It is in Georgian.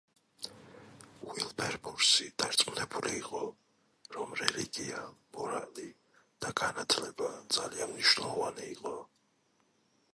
უილბერფორსი დარწმუნებული იყო, რომ რელიგია, მორალი და განათლება ძალიან მნიშვნელოვანი იყო.